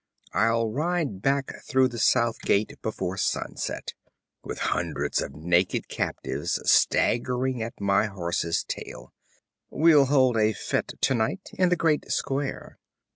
I'll ride back through the south gate before sunset, with hundreds of naked captives staggering at my horse's tail. We'll hold a fête tonight, in the great square.